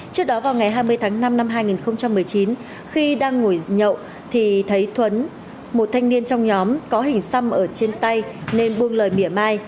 trước đó vào ngày hai mươi tháng năm năm hai nghìn một mươi chín khi đang ngồi nhậu thì thấy thuấn một thanh niên trong nhóm có hình xăm ở trên tay nên buông lời mỉa mai